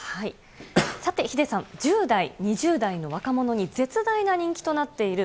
さて、ヒデさん、１０代、２０代の若者に絶大な人気となっている